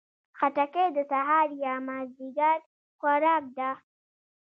خټکی د سهار یا مازدیګر خوراک ده.